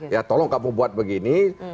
ya tolong kamu buat begini